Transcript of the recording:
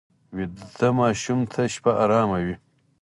ویده ماشوم ته شپه ارامه وي